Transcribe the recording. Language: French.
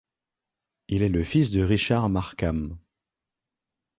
Il est le fils de Richard Markham.